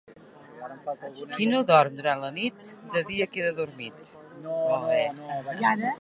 Qui no dorm durant la nit, de dia queda adormit.